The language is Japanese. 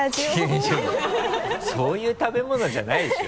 緊張そういう食べ物じゃないでしょ。